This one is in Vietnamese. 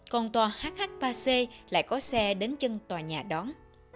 còn tòa hh ba c lại có xe đến chân tòa nhà đón